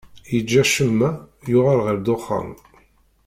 Iǧǧa ccemma, yuɣal ɣer ddexxan.